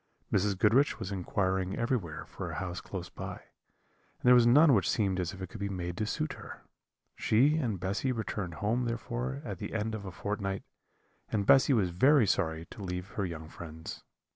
Mrs. Goodriche was inquiring everywhere for a house close by, and there was none which seemed as if it could be made to suit her. She and Bessy returned home therefore at the end of a fortnight, and Bessy was very sorry to leave her young friends.